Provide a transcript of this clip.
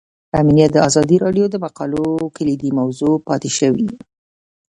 امنیت د ازادي راډیو د مقالو کلیدي موضوع پاتې شوی.